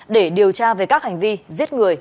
để điều tra về các hành vi giết người